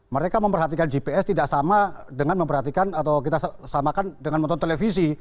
mereka memperhatikan gps tidak sama dengan memperhatikan atau kita samakan dengan menonton televisi